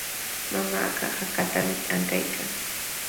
Mamaaqa hakatami ankaykan.